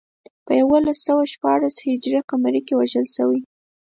په یولس سوه شپاړس هجري قمري کې وژل شوی.